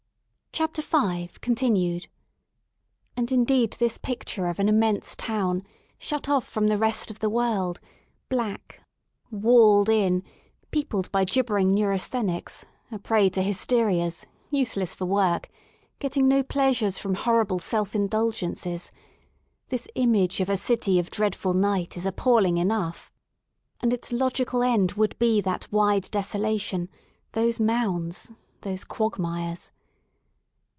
i66 REST IN LONDON And indeed this picture of an immense Town, shut off from the rest of the world, black, walled in, peopled by gibbering neurasthenics, a prey to hysterias, use less for workj getting no pleasures from horrible self indulgences— this image of a City of dreadful Night is appalling enough* And its logical end would be that wide desolation, those mounds, those quagmires.